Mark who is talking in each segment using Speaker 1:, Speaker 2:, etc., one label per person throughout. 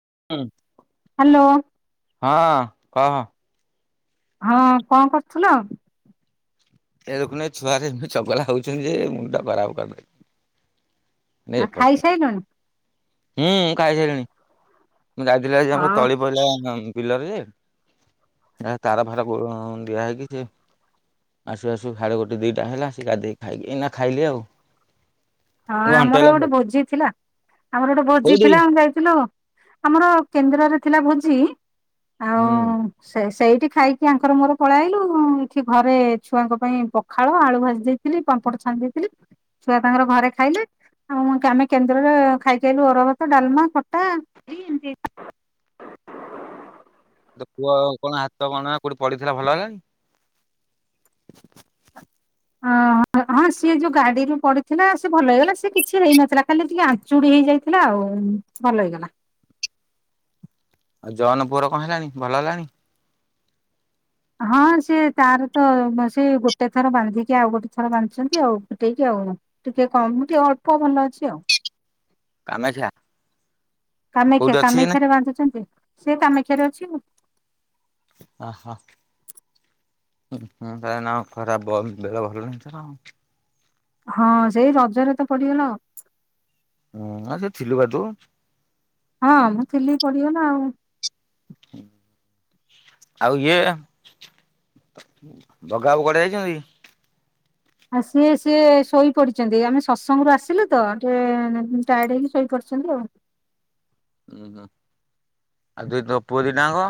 Speaker 1: ହୁ
Speaker 2: hello
Speaker 1: ହିଁ। କହ ।
Speaker 2: ହଁ କଣ କରୁଥୁଲ?
Speaker 1: ଏ ଦେଖୁନ ଛୁଆରେ ଏମି ଚଗଲା ହଉଛନ୍ତି ଯେ ମୁଣ୍ଡ ଖରାପ କରିଦେବେ।
Speaker 2: ଆ ଖାଇସାଇିଲୁଣି?
Speaker 1: ହୁଁ ଖାଇସାରିଣି। ମୁଁ ଯାଇଥିଲି ଜଣ କର
Speaker 2: ହଉ
Speaker 1: ତଳିପଡିଲା। ପିଲରେ [inaudible] ତାର ଫାର ହୁଁ ଦିଆ ହେଇକି ସେ [inaudible] ଆସୁ ଆସୁ ସାଢ଼େ ଗୋଟେ ଦିଇଟା ହେଲା ଆସି ଗାଧେକି ଖାଇକି ଏଇନା ଖାଇଲି ଆଉ ।
Speaker 2: ହଁ ଆମର ଗୋଟେ ଭୋଜି ଥିଲା [inaudible] ଆମର ଗୋଟେ। ଭୋଜି
Speaker 1: କୋଉଠି?
Speaker 2: ଥିଲା ଆମେ ଯାଇଥିଲୁ। ଆମର କେନ୍ଦ୍ରରରେ ଥିଲା ଭୋଜି । ଆଉ
Speaker 1: ହୁଁ
Speaker 2: ସେ [unintelligible] ଖାଇକି ଆଙ୍କର ମୋର ପଳେଆଇଲୁ ଏଠି ଘରେ ଛୁଆଙ୍କ ପାଇଁ ପଖାଳ ଆଳୁ, ଭାଜି ଦେଇଥିଲି ପାମ୍ପଡ, ଛାଣି ଦେଇଥିଲି ଛୁଆ ତାଙ୍କର ଘରେ ଖାଇଲେ ଆମେ କେନ୍ଦ୍ରରରେ ଖାଇକି ଆଇଲୁ ଅରୁଆ ଭାତ ଡାଲମା ଖଟା [unintelligible]
Speaker 1: ତ ପୁଅ ଆଉ କଣ ହାତ କଣ କୋଉଠି ପଢିଥିଲା ଭଲ ହେଲାଣୀ?
Speaker 2: ଓଁ ହଁ ସିଏ ଯୋଉ ଗାଡିରୁୁ ପଡିଥିଲା ସେ ଭଲ ହେଇଗଲା ସେ କିଛି ହେଇନଥିଲା ଖାଲି ଟିକେ ଆଞ୍ଚୁଡି ହେଇଯାଇଥିଲା ଆଉ ଭଲ ହେଇଗଲା।
Speaker 1: ଆ ଜନ ପୁଅର କଣ ହେଲାଣି, ଭଲ ହେଲାଣି?
Speaker 2: ହଁ ସେ ତାର ତ ସେ ଗୋଟେ ଥର ବାନ୍ଧିକି ଆଉ ଗୋଟେ ଥର ବାନ୍ଧିଛନ୍ତି ଆଉ ଫିଟେଇ କି ଆଉ ଟିକେ କମ୍ ଟିକେ ଅଳ୍ପଭଲ ଅଛି ଆଉ।
Speaker 1: କାମାକ୍ଷା
Speaker 2: [inaudible] କାମାକ୍ଷା
Speaker 1: କୋଉଠି ଅଛି ଏଇନା?
Speaker 2: କାମାକ୍ଷରେ ବାନ୍ଧୁଛନ୍ତି ସେ କାମାକ୍ଷା [unintelligible]
Speaker 1: ହ ଖରାପ ବେଳ ଭଲ ନଛ [unintelligible]
Speaker 2: ହଁ ସେଇ ରଜରେ ତ ପଡିଗଲା ।
Speaker 1: ହୁଁ ଆ ସେ ଥିଲୁ ବାଦୁ [unintelligible]
Speaker 2: ହଁ ମୁଁ ଥିଲି ପଡିଗଲା ଆଉ।
Speaker 1: ଆଉ ଇଏ ବଗା ବାବୁ କୁଆଡେ ଯାଇଛନ୍ତି?
Speaker 2: ଆ ସିଏ ସିଏ ଶୋଇପଡିଛନ୍ତି ଆମେ
Speaker 1: ଉ ହୁଁ ଆଉ ଦେଇ ତୋ ପୁଅ ଦିଟାଅଙ୍କ?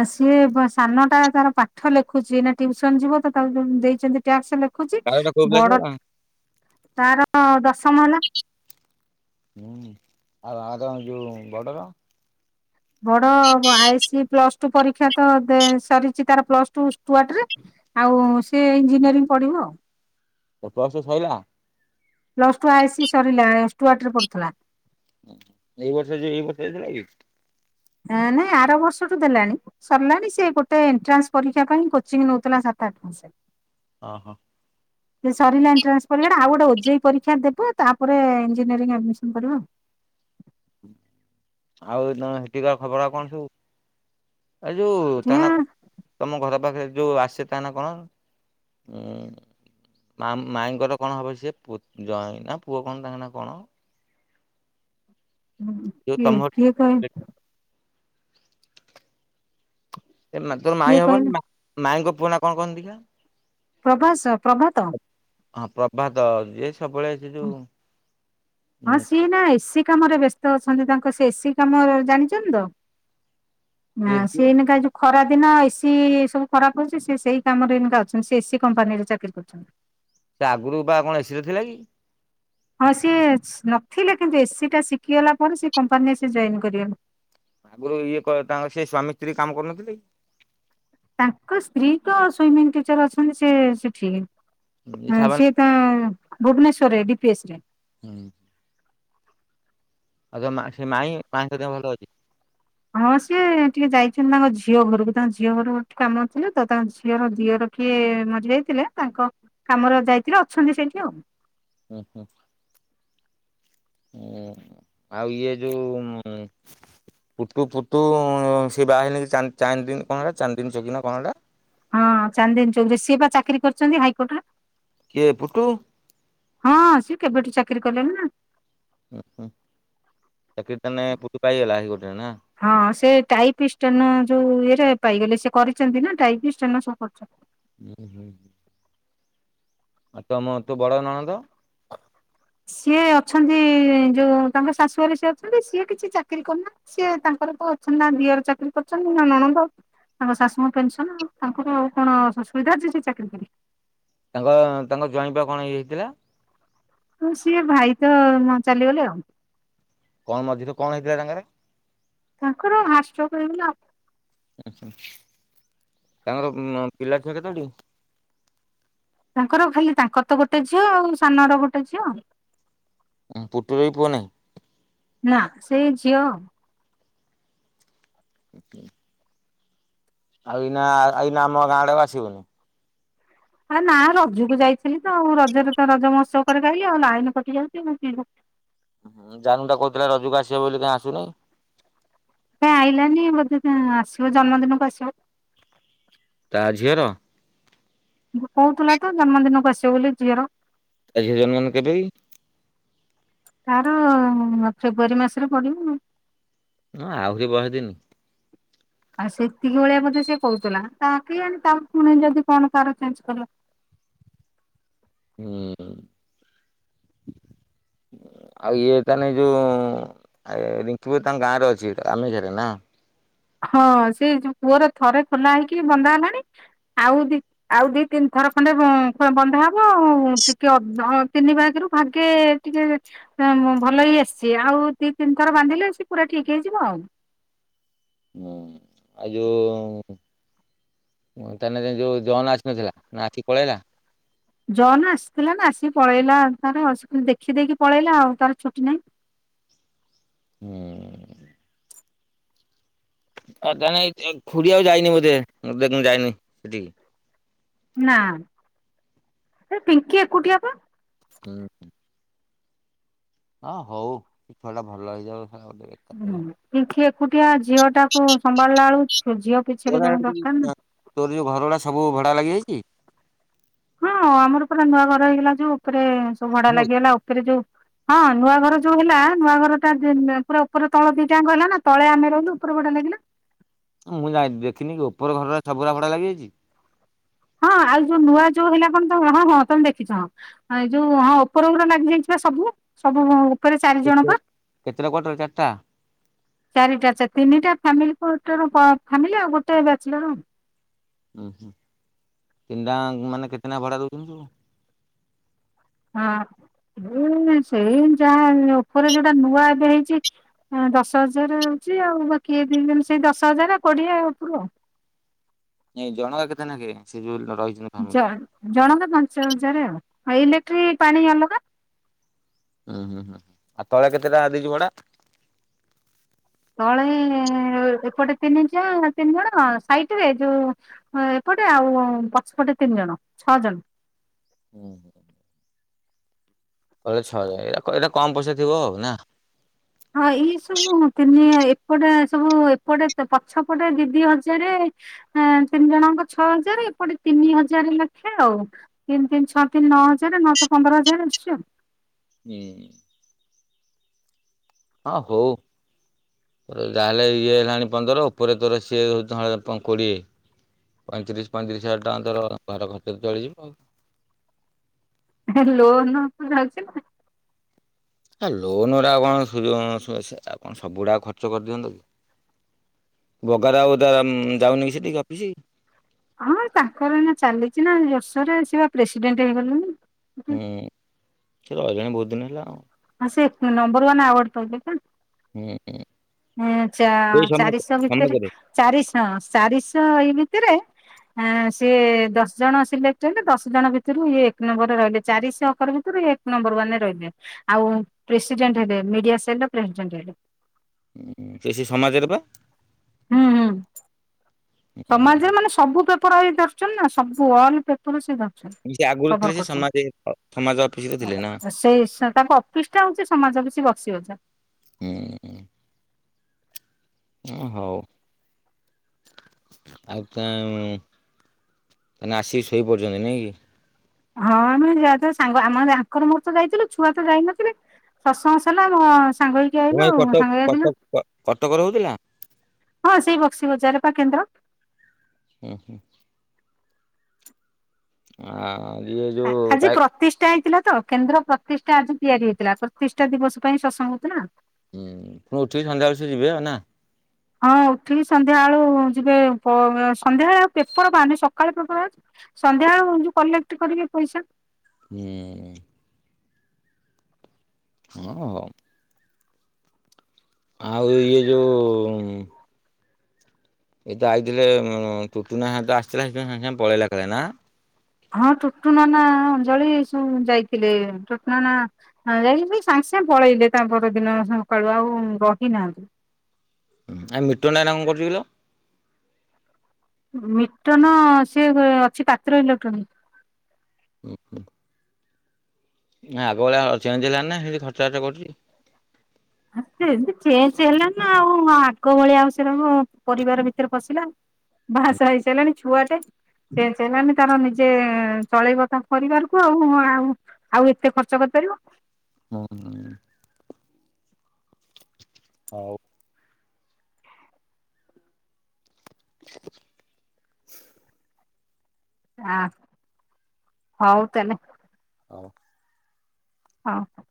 Speaker 2: ଆଉ ସିଏ ସାନ ଟା ତାର ପାଠ ଲେଖୁଛି ନା ଟିଉସନ ଯିବ ତ ତାକୁ ଦେଇଛନ୍ତି ଟାସ୍କ। ଲେଖୁଛି
Speaker 1: ତାର କୋଉ କ୍ଲାସ
Speaker 2: ବଡ
Speaker 1: ହେଲା?
Speaker 2: ତାର ଦଶମ ହେଲା।
Speaker 1: ହୁଁ ଆର ଯୋଉ ବଡ଼ର?
Speaker 2: ବଡ ଆଇସି ପ୍ଲସ୍ ଠୁ ପରୀକ୍ଷା ତ ସରିଛି ତାର ପ୍ଲସ୍ ଟୁ ଆଉ ସ ଇଞ୍ଜିନିୟ ପଢିବ ଆଉ ।
Speaker 1: ତୋ ବସ ସଇଲା?
Speaker 2: ପ୍ଲସ ଟୁ ଆଇସି ସରିଲା ।ଏସ୍ ଟୁ ଆଟରେ ପଡୁଥିଲା।
Speaker 1: ଏଇ ବର୍ଷ ଯେ ଏଇ ବର୍ଷଥିଲା କି?
Speaker 2: ନାଇଁ ଆର ବର୍ଷଠୁ ଦେଲାଣି ସରିଲାଣି ସେ ଗୋଟେ ଏଣ୍ଟ୍ରାନ୍ସ ପରୀକ୍ଷା ପାଇଁ କୋଚିଂ ନେଉଥିଲା ।ସାତ ଆଠ ମାସ।
Speaker 1: ଓ ହୋ।
Speaker 2: ସେ ସରିଲା ଏଣ୍ଟ୍ରାନ୍ସ ପରିକ୍ଷା ଆଉ ଗୋଟେ ଓଜେଇ ପରୀକ୍ଷା ଦେବ ତାପରେ ଇଞ୍ଜିନିୟରିଂ ଆଡମିସନ କରିବ।
Speaker 1: ଆଉ ନହେଲେ ହେଠିକା ଖବର କଣ ସବୁ? ଏ ଯୋଉ ତା
Speaker 2: କିଏ
Speaker 1: ନା କଣ ତମ ଘର ପାଖରେ? ଯୋଉ ଆସେ ତାଙ୍କ ନା କଣ? ଉଁ ମାଇଙ୍କର କଣ ହବ ସିଏ ଜ ନା ପୁଅ କଣ ତାଙ୍କ ନା କଣ? ଯୋଉ
Speaker 2: କି
Speaker 1: ତମ
Speaker 2: କିଏ କହି
Speaker 1: ତୋର ମାଇଁ
Speaker 2: କିଏ କହିଲେ
Speaker 1: ହବନି ମାାଇଙ୍କ ପୁଅ ନା କଣ କହନି ଦିଖିଆ?
Speaker 2: ପ୍ରଭାସ ପ୍ରଭାତ।
Speaker 1: ହଁ ପ୍ରଭାତ ଯେ
Speaker 2: ହଁ
Speaker 1: ଉଁ
Speaker 2: ସିଏ ଏଇନା ଏସି କାମରେ ବ୍ୟସ୍ତ ଅଛନ୍ତି ତାଙ୍କ ସେ ଏସି କାମ ଜାଣିଛନ୍ତି ତ।
Speaker 1: କିଏ
Speaker 2: ନା
Speaker 1: ଯିଏ
Speaker 2: ସେ ଏଇନେ କା ଯୋଉ ଖରାଦିନ ଏସିି ସବୁ ଖରାପ ହେଉଛି। ସେ ସେହି କାମରେକା ଅଛନ୍ତି ସେ ଏସି କମ୍ପାନୀରେ ଚାକିରି କରିଛନ୍ତି।
Speaker 1: ସେ ଆଗରୁ ବା କଣ ଏସିରେ ଥିଲା କି?
Speaker 2: ହଁ ସିଏ ନଥିଲେ କିନ୍ତୁ ଏସିି ଟା ଶିଖିଗଲା ପରେ ସେ କମ୍ପାନୀରେ ସେ ଜଏନ୍ କରିଗଲା।
Speaker 1: ଆଗରୁ ଇଏ କ ତାଙ୍କର ସେ ସବାମୀ ସ୍ତ୍ରୀ କାମ କରୁନଥିଲେ?
Speaker 2: ତାଙ୍କ ସ୍ତ୍ରୀ କ ସୁଇମିଂ ଟିଚର ଅଛନ୍ତି। ସିଏ ସେଠି
Speaker 1: କି
Speaker 2: ହ
Speaker 1: ସାବାନ
Speaker 2: ସିଏ ତ ଭୁବନେଶ୍ୱର ରେ ଡି ପି ଏସ୍ ରେ।
Speaker 1: ହୁଁ । ଆଉ ତ ସେ ମାଇଁ ମାଇ ସ ଭଲ ଅଛି ।
Speaker 2: ହଁ ସିଏ ଟିକେ ଯାଇଛନ୍ତି। ତାଙ୍କ ଝିଅ ଘରକୁ ତାଙ୍କ ଝିଅ ଘର ଟିକ କାମ ନଥିଲେ ତ ତାଙ୍କ ଝିଅର ଦିଅ ରଖିଏ ମରି ଯାଇଥିଲେ ତାଙ୍କ କାମରେ ଯାଇଥିଲେ ଅଛନ୍ତି ସେଇଠି ଆଉ
Speaker 1: ହୁଁ ହୁଁ ହଁ ଆଉ ଇଏ ଯୋଉ ପୁଟୁ ପୁଟୁ ସେ ବାହାିଲ [unintelligible] କି ଚାରି ଦିନ କଣଟା ଚାରି ଦିନ ଚକନା କଣଟା?
Speaker 2: ହଁ ଚାନ୍ଦିନ ଚୌରେ ସିଏ ବା ଚାକିରି କରିଛନ୍ତି ହାଇକୋର୍ଟରେ।
Speaker 1: କିଏ ପୁଟୁ
Speaker 2: ହଁ ସେ କେବେଠୁ ଚା ଖିରି କଲେଣି ନା?
Speaker 1: ହୁଁ ହୁଁ ଚାକିରି ତାନେ ପୁଟୁ ପାଇଗଲା ହେଇ ଗୋଟେରେ ନା?
Speaker 2: ହଁ ସେ ଟାଇପିଷ୍ଟନ ଯୋଉ ଇଏରେ ପାଇଗଲେ ସେ କରିଛନ୍ତି ନା ଟାଇପିଷ୍ଟନ ସବୁ କରୁଛନ୍ତି।
Speaker 1: ହୁଁ ହୁଁ । ଆଉ ତମ ତୋ ବଡ ନଣନ୍ଦ?
Speaker 2: ସିଏ ଅଛନ୍ତି ଯୋଉ ତାଙ୍କ ଶାଶୁ୍ଘରେ ସେ ଅଛନ୍ତି। ସିଏ କିଛି ଚାକିରି କରିନାହାନ୍ତି ସିଏ ତାଙ୍କର ତ ଅଛନ୍ତି ନା ଦିଅର ଚାକିରି କରିଛନ୍ତି ନା ନଣନ୍ଦ ତାଙ୍କ ଶାଶୁଙ୍କ ପେନସନ୍ ତାଙ୍କର ଆଉ କଣ ସୁବିଧା ଅଛି ସେ ଚାକିରୀ କରିବେ।
Speaker 1: ତାଙ୍କ ତାଙ୍କ ଜ୍ବାଇଁ ବା କଣ ହେଇ ହେଇଥିଲା?
Speaker 2: ହଁ ସିଏ ଭାଇ ତ ଚାଲିଗଲେ ଆଉ।
Speaker 1: କଣ ମଝିରେ କଣ ହେଇଥିଲା ତାଙ୍କର?
Speaker 2: ତାଙ୍କର ହାର୍ଟଷ୍ଟୋକ ହେଇଗଲା ଆଉ।
Speaker 1: ତାଙ୍କର ପିଲା ଛୁଆ କେତୋଟି?
Speaker 2: ତାଙ୍କର ଖାଲି ତାଙ୍କର ତ ଗୋଟେ ଝିଅ ଆଉ ସାନର ଗୋଟେ ଝିଅ।
Speaker 1: ଉଁ ପୁଟୁ ର ବି ପୁଅ ନାହିଁ?
Speaker 2: ନା ସେ ଝିଅ ଆଉ।
Speaker 1: [inaudible] ଆଉ ଏଇନା ଏଇନା ଆମ ଗାଁ ଆଡେ ଆଉ ଆସିବୁନି?
Speaker 2: ହେ ନା ରଜକୁ ଯାଇଥିଲି ତ ଆଉ ରଜରେ ତ ରଜ ମହୋତ୍ସବ କରି ଆଇଲି ଆଉ ଲାଇନି କଟି ଯାଉଛି ମୁଁ କେମିତି
Speaker 1: ହୁଁ ଜାନୁ ଟା କହୁଥିଲା ରଜକୁ ଆସିବ ବୋଲି କାଇଁ ଆସୁ ନେଇ।
Speaker 2: କାଇଁ ଆଇଲାନି ବୋଧେ ସେ ଆସିବ ଜନ୍ମଦିନକୁ ଆସିବ।
Speaker 1: ତା ଝିଅର?
Speaker 2: କହୁଥିଲା ତ ଜନ୍ମଦିନକୁ ଆସିବ ବୋଲି ଝିଅର।
Speaker 1: ଟା ଝିଅ ଜନ୍ମଦିନ କେବେ କି?
Speaker 2: ତାର ଫେବୃଆରୀ ମାସରେ ପଡ଼ିବ ଆଉ।
Speaker 1: ହଁ ଆହୁରି ବହେ ଦିନ୍।
Speaker 2: ଆ ସେତିକି ବଳିଆ ବୋଧେ ସେ କହୁଥିଲା ତା କି ଆଣି ତା ପୁଣି ଯଦି କଣ ତାର ଚେଞ୍ଜ କରିବ।
Speaker 1: ହୁଁ ଆଉ ଇଏ ତାନେ ଯୋଉ ରିଙ୍କି ତାଙ୍କ ଗାଁରେ ଅଛି କାମକ୍ଷା ରେ ନା।
Speaker 2: ହଁ ସେଉ ପୁଅର ଥରେ ଖୋଲା ହେଇକି ବନ୍ଧା ହେଲାଣି। ଆଉ ଦି ଆଉ ଦି ତିନି ଥର ଖଣ୍ଡେ ବନ୍ଧା ହବ ଆଉ ଟିକେ ତିନି ଭାଗରୁ ଭାଗେ ଟିକେ ଭଲ ହେଇ ଆସିଛି ଆଉ ଦି ତିନି ଥର ବାନ୍ଧିଲେ ସେ ପୁରା ଠିକ ହେଇଯିବ ଆଉ।
Speaker 1: ହୁଁ ଆଉ ଯୋଉ ତାନେ ଯୋଉ ଜନ୍ ଆସିନଥିଲା ନା ଆସିକି ପଳେଇଲା?
Speaker 2: ଜନ୍ ଆସିଥିଲା ନା ଆସିକି ପଳେଇଲା ତାର ସେ ଦେଖି ଦେଇକି ପଳେଇଲା ଆଉ ତାର ଛୁଟି ନାଇଁ।
Speaker 1: ହୁଁ। ତାନେ ଏଇ ଖୁଡି ଆଉ ଯାଇନି ବୋଧେ [unintelligible] ଯାଇନି ସେଠିକି?
Speaker 2: ନା ସେ ପିଙ୍କି ଏକୁଟିଆ ପା।
Speaker 1: ହୁଁ। ହଁ ହଉ ଏ ଛୁଆ ଟା ଭଲ ହେଇଯାଉ। ଶାଳା ଗୋଟେ ବେକାର ଟା
Speaker 2: ହୁଁ
Speaker 1: ହେଲା
Speaker 2: ପିଙ୍କି ଏକ କୁଟିଆ ଅଛ ଝିଅ ଟାକୁ ସମ୍ଭାଳିଲା ବେଳୁ ଝିଅ ପିଛରେ ଜଣ ଦରକାର ନା।
Speaker 1: ଡ଼ା ଲାଗି ଯାଇଛି?
Speaker 2: ହଁ ଆମର ପୁରା ନୂଆ ଘର ହେଇଗଲା ଯୋଉ ଉପରେ ସବୁ ଭଡ଼ା
Speaker 1: ହଁ
Speaker 2: ଲାଗିଗଲା ଉପରେ ଯୋଉ ହଁ ନୂଆ ଘର ଯୋଉ ହେଲା ନୂଆ ଘର ଟା ପୁରା ଉପରେ ତଳ ଦି ଟାଙ୍କ ହେଲା ନା ତଳେ ଆମେ ରହିଲୁ ଉପର ଭଡ଼ା ଲାଗିଲା।
Speaker 1: ମୁଁ ଯାଇନି ଦେଖିନି କି ଉପର ଘରର ସବୁ ଗୁରା ଭଡା ଲାଗିଯାଇଛି?
Speaker 2: ହଁ ଆଉ ଯୋଉ ନୂଆ ଯୋଉ ହେଲା କଣ ତମ ହଁ ହଁ ତମେ ଦେଖିଛ ହଁ ଏ ଯୋଉ ହଁ ଉପର ଉପରେ ଲାଗିଯାଇଥିବା ସବୁ ସବୁ ଘ
Speaker 1: କେ କେତେଟା କ୍ୱାଟର ଚାରାଟା?
Speaker 2: ଚାରିଟାଛା ତିନିଟା ଫ୍ୟାମିଲି [unintelligible] ଫ୍ୟାମିଲ ଆଉ ଗୋଟେ ବ୍ୟାଚଲର।
Speaker 1: ଉୁଁ ହୁଁ ତିନିଟା ମାନେ କେତେନେଖା ଭଡା ଦଉଛନ୍ତି ସବୁ।
Speaker 2: ହଁ ଏ ସେଇ ଯାହା ଉପରେ ଯୋଉଟା ନୂଆ ଏବେ ହେଇଚି ଦଶ ହଜାର ହଉଚି ଆଉ ବାକି ଏଇ ଦି ଟା ମିଶେଇ ଦଶ ହଜାର କୋଡିଏ ଉପରୁ ଆଉ
Speaker 1: ନାଇ ଜଣଗା କେତେ ନେଖେ ସେଜୁଲ୍
Speaker 2: ଜଣ ଜଣଙ୍କା ପାଞ୍ଚ ହଜାର ଆଉ ଆଉ ଇଲେକ୍ଟ୍ରି ପାଣି ଅଲଗା।
Speaker 1: ଉୁଁ ହୁଁ ହୁଁଁ ଆଉ ତଳେ କେତେ ଟା ଦେଇଛୁ ଭଡା?
Speaker 2: ତଳେ ହିଁ ଏପଟେ ତିନି ଯା ତିନି ଜଣ ସାଇଟ୍ ରେ ଯୋଉ ହ ଏପଟେ ଆଉ ପଛପଟେ ତିନି ଜଣ ଛଅ ଜଣ।
Speaker 1: ହୁଁ ହୁଁ। କହିଲେ ଛଅ ହଜାର ୟାକୁ ଏଇଟା କମ୍ ପଇସା ଥିବ ଆଉ ନା।
Speaker 2: ହଁ ଏଇ ସବୁ ତିନି ଏପଟେ ସବୁ ଏପଟେ ପଛପଟେ ଦି ଦି ହଜାର ଅଁ ତିନି ଜଣଙ୍କ ଛଅ ହଜାର ଏପଟେ ତିନି ହଜାର ଲେଖେ ଆଉ ତିନି ତିନି ଛଅ ତିନି ନଅ ହଜାର ନଅ ଛ ପନ୍ଦର ହଜାର ଆସୁଛି ଆଉ।
Speaker 1: ଯେ ହଁ ହଉ ଯାହାହେଲେ ଇଏ ହେଲାଣି ପନ୍ଦର ଉପରେ ତୋର ସିଏ ଧଳେ ପଁ କୋଡିଏ ପଇଁତିରିଶ ପଇଁତିରିଶ ହଜାର ଟଙ୍କା ତୋର ଘର ଖର୍ଚ୍ଚରେ ଚଳିଯିବ ଆଉ।
Speaker 2: ଲୋନ୍ [unintelligible] ଚାଲିଛି ନା।
Speaker 1: ହଁ ଲୋନ ଗୁଡା ଆଉ କଣ ସୁଜା ସୁ ସୁ ଆଉ କଣ ସବୁଗୁଡା ଖର୍ଚ୍ଚ କରିଦିଅନ୍ତ କି? ବଗାର ଆଉ ଯାନ୍ ଯାଉନି କି ସେଠିକ ଅଫିସି?
Speaker 2: ହଁ ତାଙ୍କର ଏଇନା ଚାଲିଚି ନା ଜୋରସରେ ସେ ବା ପ୍ରେସିଡେଣ୍ଟ ହେଇଗଲେଣି।
Speaker 1: ହୁଁ। ସେ ଆଇଲାଣି ବହୁତ ଦିନ ହେଲା ଆଉ।
Speaker 2: ସେ ନମ୍ବରୱାନ୍ ଆୱାର୍ଡ ପାଇଲେ ତ।
Speaker 1: ହୁଁ ହୁଁ।
Speaker 2: ହଁ ଚା
Speaker 1: ସେଇ ସମ
Speaker 2: ଚାରିଶହ ଭିତରେ
Speaker 1: ସମାଜରେ
Speaker 2: ଚାରିଶହ ଚାରିଶହ ଏ [unintelligible] କିରେ ଏଁ ସିଏ ଦଶ ଜଣ ସିଲେକ୍ଟ ହେଲେ ଦଶ ଜଣ ଭିତରୁ ଇଏ ଏକ ନମ୍ବରରେ ରହିଲେ ଚାରିଶହକର ଭିତରୁ ଏକ ନମ୍ବର ୱାନରେ ରହିଲେ ଆଉ ପ୍ରେସିଡେଣ୍ଟ ହେଲେ ମିଡିଆ ସେଲ୍ ର ପ୍ରେସିଡେଣ୍ଟ ହେଲେ।
Speaker 1: ସେ ସେଇ ସମାଜରେ ବା।
Speaker 2: ହୁଁ ହୁଁ। ସମାଜରେ ମାନେ ସବୁ ତ ପେପର ଇଏ ଧରିଛନ୍ତି ନା ସବୁ ଅଲ୍ ପେପର ସେ ଧ
Speaker 1: ସେ ଆଗରୁ ଥିଲେ ସେ ସମାଜ ସମାଜ ଅଫିସରେ ଥିଲେ ନା
Speaker 2: ସେ ସ ତାଙ୍କ ଅଫିସ ଟା ହଉଛି ସମାଜ ଅଫିସ୍ ବକ୍ସି ବଜାର।
Speaker 1: ହୁଁ ହଁ ହଉ ଆଉ ତାନ୍ ତାହାନେ ଆସିକି ଶୋଇପଡିଚନ୍ତି ନାଇଁ କି?
Speaker 2: ହଁ ଆମେ ଯାହା ଯାହା ସାଙ୍ଗ ଆମ ଆଙ୍କର ମୋର ତ ଯାଇଥିଲୁ ଛୁଆ ତ ଯାଇନଥିଲେ ସତସଙ୍ଗ ସରିଲା ଆମ ସାଙ୍ଗ ହେଇକି
Speaker 1: ତମେ
Speaker 2: ଆଇଲୁ
Speaker 1: ଏଇ
Speaker 2: ଆଉ।
Speaker 1: କଟକ
Speaker 2: ସାଙ୍ଗ ହେଇକି
Speaker 1: କଟକ
Speaker 2: ଯାଇଥିଲୁ।
Speaker 1: କ କଟକରେ ହଉଥିଲା
Speaker 2: ହଁ ସେଇ ବକ୍ସି ବଜାର। ପା କେନ୍ଦ୍ର।
Speaker 1: ହୁ ହୁଁ। ଆ ଇ।
Speaker 2: ଆ ଆଜି ପ୍ରତିଷ୍ଠା ହେଇଥିଲା। ତ କେନ୍ଦ୍ର ପ୍ରତିଷ୍ଠା ଆଜି ତିଆରି ହେଇଥିଲା। ପ୍ରତିଷ୍ଠା ଦିବସ ପାଇଁ ସତ୍ ସଂଗ ହଉଥିଲା।
Speaker 1: ହୁଁ ପୁଣି ଉଠିକି ସନ୍ଧ୍ୟାବେଳେ ସେ ଯିବେ ଆଉ ନା।
Speaker 2: ହଁ ଉଠିକି ସନ୍ଧ୍ୟାବେଳୁ ଯିବେ। ପ ସନ୍ଧ୍ୟାବେଳେ ଆଉ ପେପର ବାହାରୁନି। ସକାଳ ପେପର ଅଛି । ସନ୍ଧ୍ୟାବେଳକୁ ଯୋଉ କଲେକ୍ଟ କରିବେ ପଇସା।
Speaker 1: ହୁଁ। ହଁ ହ। ଆଉ ଇଏ ଯୋଉ ଏ ତ ଆଇଥିଲେ ଉଁ ତୁତୁନା ହଇତ ଆସିଥିଲା ସେଥିପାଇଁ ସାଙ୍ଗେ ସାଙ୍ଗେ ପଳେଇଲା କାଳେ ନା।
Speaker 2: ହଁ ଟୁଟୁନା ନା ଅଞ୍ଜଳି ସବୁ ଯାଇଥିଲେ। ଟୁଟୁନା ନା ଯାଇ ନଥିଲେ କି ସାଙ୍ଗେ ସାଙ୍ଗେ ପଳେଇଲେ। ତା ପରଦିନ ସକାଳୁ ଆଉ ରହିନାହାନ୍ତି ।
Speaker 1: ଆଉ ମିଟୁ ନାନା କଣ କରୁଛି କିଲୋ?
Speaker 2: ମିଟନ ସେ ଅଛି ପାତ୍ର ଇଲେକ୍ଟ୍ରୋନିକ।
Speaker 1: ଓହ। ନାଇ ଆଗଭଳିଆ ଚେଞ୍ଜ ହେଲାଣି ନା ସେଇନ୍ତି ଖର୍ଚ ବାର୍ଚ୍ଚ କରୁଛି?
Speaker 2: ଆ ଚେଞ୍ଜ ହେଲାଣି ଆଉ ଆଗ ଭଳିଆ ଆଉ ସେଟ ପରିବାର ଭିତରେ ପଶିଲା ବାହାଶାହା ହେଇସାରିଲାଣି ଛୁଆଟେ ଚେଞ୍ଜ ହେଲାଣି ତାର ନିଜେ ଚଳେଇବ ତା ପରିବାରକୁ ଆଉ ଆଉ ଆଉ ଏତେ ଖର୍ଚ୍ଚ କରିପାରିବ?
Speaker 1: ହୁଁ ହ। ହଉ। [inaudible]
Speaker 2: ହ ହଉ ତା ହେଲେ।
Speaker 1: ହଉ।
Speaker 2: ହଁ ହୋ।